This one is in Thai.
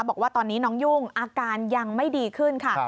บอกว่าตอนนี้น้องยุ่งอาการยังไม่ดีขึ้นค่ะ